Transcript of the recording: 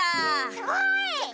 すごい！